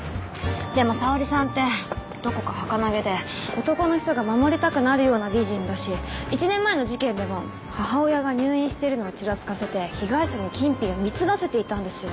でも沙織さんってどこか儚げで男の人が守りたくなるような美人だし１年前の事件でも母親が入院しているのをちらつかせて被害者に金品を貢がせていたんですよね。